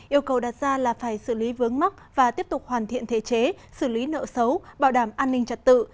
yêu cầu đặt ra là phải xử lý vướng mắc và tiếp tục hoàn thiện thể chế xử lý nợ xấu bảo đảm an ninh trật tự